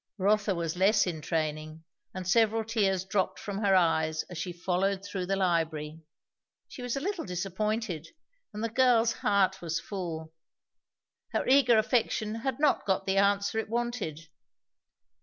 Rotha was less in training, and several tears dropped from her eyes as she followed through the library. She was a little disappointed, and the girl's heart was full. Her eager affection had not got the answer it wanted.